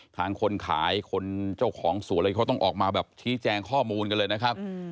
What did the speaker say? คนขายคนเจ้าของสวนอะไรเขาต้องออกมาแบบชี้แจงข้อมูลกันเลยนะครับ